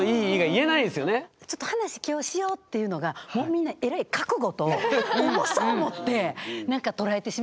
「ちょっと話今日しよう」って言うのがもうみんなえらい覚悟と重さを持ってなんか捉えてしまうから。